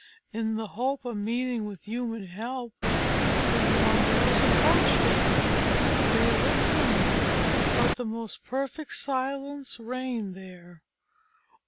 In the hope of meeting with human help, the wanderers approached it. They listened, but the most perfect silence reigned there.